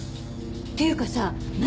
っていうかさ何？